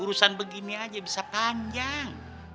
urusan begini aja bisa panjang